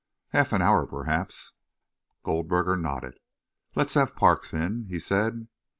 "Half an hour, perhaps." Goldberger nodded. "Let's have Parks in," he said.